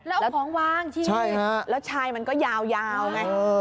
แล้วเอาของวางที่นี่แล้วชายมันก็ยาวไง